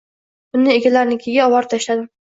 Uni egalarinikiga oborib tashladim.